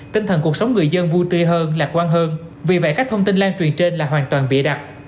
tinh thần cuộc sống người dân vui tươi hơn lạc quan hơn vì vậy các thông tin lan truyền trên là hoàn toàn bịa đặt